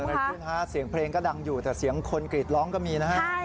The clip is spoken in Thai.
อะไรขึ้นฮะเสียงเพลงก็ดังอยู่แต่เสียงคนกรีดร้องก็มีนะฮะ